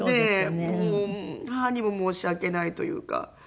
母にも申し訳ないというか。